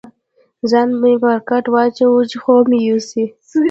ځان مې پر کټ واچاوه، چې خوب مې یوسي.